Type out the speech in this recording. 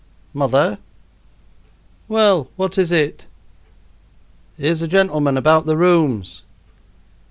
"Mother!" "Well, what is it?" "'Ere's a gentleman about the rooms."